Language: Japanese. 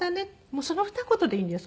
その二言でいいんです。